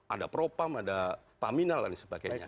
ada propam ada paminal dan sebagainya